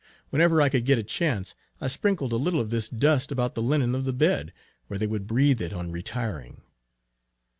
Whenever I could get a chance, I sprinkled a little of this dust about the linen of the bed, where they would breathe it on retiring.